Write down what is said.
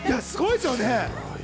すごいですよね。